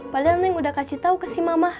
padahal neng udah kasih tau ke si mama